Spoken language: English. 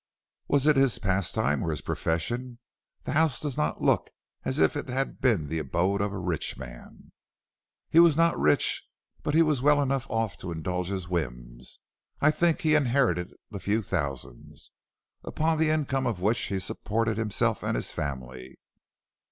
"Was it his pastime or his profession? The house does not look as if it had been the abode of a rich man." "He was not rich, but he was well enough off to indulge his whims. I think he inherited the few thousands, upon the income of which he supported himself and family."